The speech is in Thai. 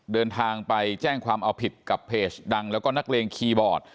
เดินทางไปแจ้งความเอาผิดกับเพจดังแล้วก็นักเลงคีย์บอร์ด